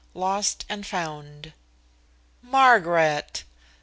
XII LOST AND FOUND "Margaret!"